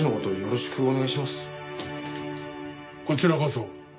こちらこそ。